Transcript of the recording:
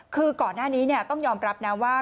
คือก่อนหน้านี้ต้องยอมรับนะว่า